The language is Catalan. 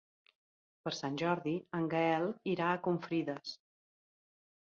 Per Sant Jordi en Gaël irà a Confrides.